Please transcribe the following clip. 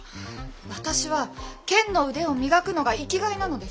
私は剣の腕を磨くのが生きがいなのです。